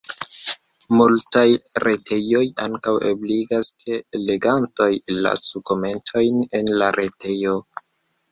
Multaj retejoj ankaŭ ebligas ke legantoj lasu komentojn en la retejo.